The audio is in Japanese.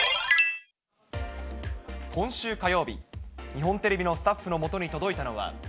今週火曜日、日本テレビのスタッフのもとに届いたのは。